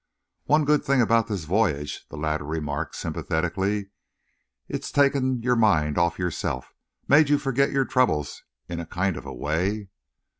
"One good thing about this voyage," the latter remarked sympathetically, "it's taken your mind off yourself made you forget your troubles, in a kind of way."